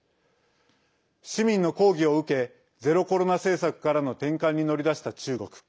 市民の抗議を受けゼロコロナ政策からの転換に乗り出した中国。